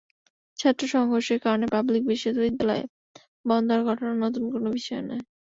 ছাত্র সংঘর্ষের কারণে পাবলিক বিশ্ববিদ্যালয় বন্ধ হওয়ার ঘটনা নতুন কোনো বিষয় নয়।